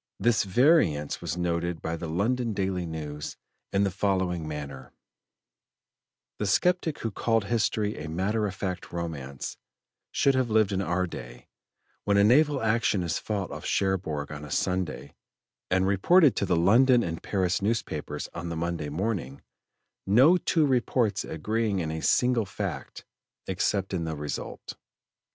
This variance was noted by the London Daily News in the following manner: "The sceptic who called history a matter of fact romance, should have lived in our day, when a naval action is fought off Cherbourg on a Sunday, and reported to the London and Paris newspapers on the Monday morning, no two reports agreeing in any single fact, except in the result.